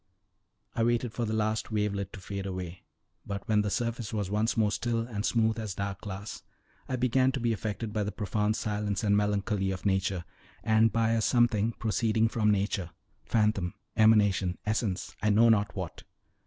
I waited for the last wavelet to fade away, but when the surface was once more still and smooth as dark glass, I began to be affected by the profounded silence and melancholy of nature, and by a something proceeding from nature phantom, emanation, essence, I know not what.